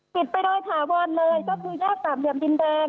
ปิดไปโดยถาวรเลยก็คือแยกสามเหลี่ยมดินแดง